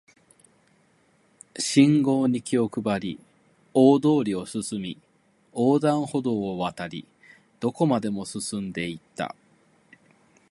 信号に気を配り、大通りを進み、横断歩道を渡り、どこまでも進んで行った